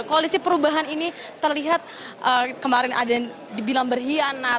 koalisi perubahan ini terlihat kemarin ada yang dibilang berhianat